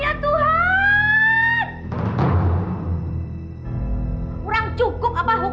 udah pulang ya ampun